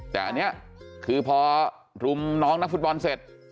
แต่อันนี้คือพอรุมน้องนักฟุตบอลเสร็จ